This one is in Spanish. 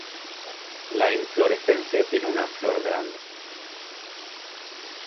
La inflorescencia tiene una flor grande.